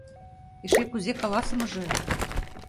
Эше кузе каласымыже!